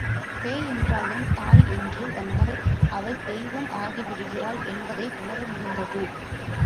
பேய் என்றாலும் தாய் என்று வந்தால் அவள் தெய்வம் ஆகிவிடுகிறாள் என்பதை உணர முடிந்தது.